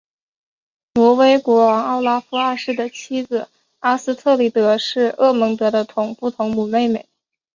挪威国王奥拉夫二世的妻子阿斯特里德是厄蒙德的同父同母妹妹。